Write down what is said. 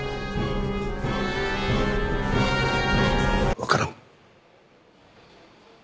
わからん。